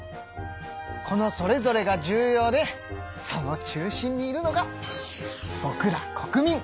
このそれぞれが重要でその中心にいるのがぼくら国民。